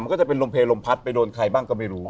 ก็จะเป็นลมเพลลมพัดไปโดนใครบ้างก็ไม่รู้